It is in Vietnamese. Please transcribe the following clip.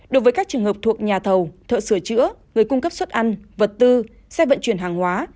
đối với các trường hợp thuộc nhà thầu thợ sửa chữa người cung cấp xuất ăn vật tư xe vận chuyển hàng hóa